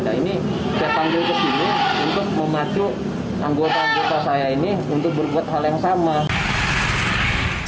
nah ini saya tanggung kesini untuk memacu anggota anggota saya ini